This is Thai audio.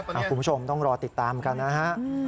คุณผู้ชมต้องรอติดตามกันนะฮะ